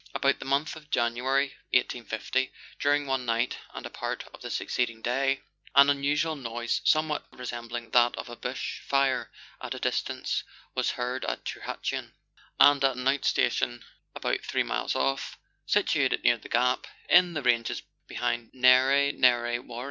About the month of January 1850, during one night and a part of the succeeding day, an unusual noise, somewhat resembling that of a bush fire at a distance, was heard at Tirhatuan, and at an out station about three miles off, situated near the Gap in the ranges behind Narre Narre Warren.